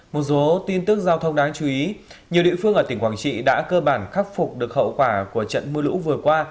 một số tin tức giao thông đáng chú ý nhiều địa phương ở tỉnh quảng trị đã cơ bản khắc phục được hậu quả của trận mưa lũ vừa qua